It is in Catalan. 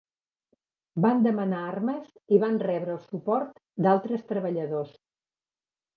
Van demanar armes i van rebre el suport d'altres treballadors.